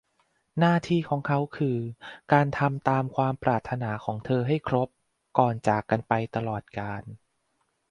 หน้าที่ของเขาคือการทำตามความปรารถนาของเธอให้ครบก่อนจากกันไปตลอดกาล